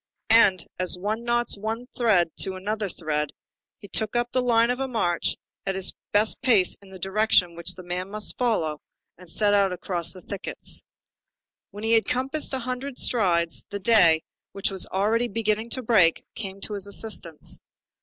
And, as one knots one thread to another thread, he took up the line of march at his best pace in the direction which the man must follow, and set out across the thickets. When he had compassed a hundred strides, the day, which was already beginning to break, came to his assistance.